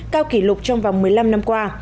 cao kỷ lục trong vòng một mươi năm năm qua